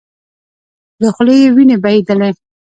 له خولې يې وينې بهيدلې.